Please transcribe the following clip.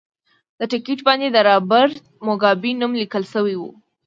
د ټکټ باندې د رابرټ موګابي نوم لیکل شوی و.